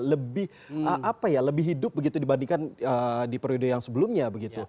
lebih apa ya lebih hidup begitu dibandingkan di periode yang sebelumnya begitu